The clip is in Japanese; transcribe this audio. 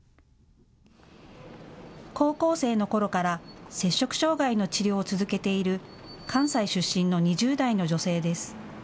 高校生のころから摂食障害の治療を続けている関西出身の２０代の女性です。